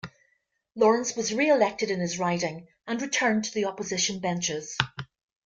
Lawrence was re-elected in his riding, and returned to the Opposition benches.